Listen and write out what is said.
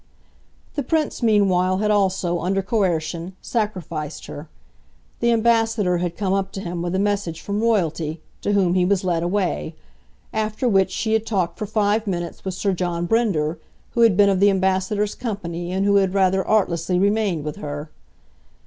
The Prince meanwhile had also, under coercion, sacrificed her; the Ambassador had come up to him with a message from Royalty, to whom he was led away; after which she had talked for five minutes with Sir John Brinder, who had been of the Ambassador's company and who had rather artlessly remained with her.